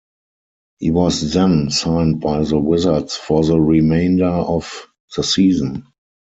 He was then signed by the Wizards for the remainder of the season.